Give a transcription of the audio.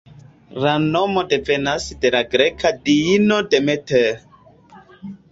La nomo devenas de la greka diino Demeter.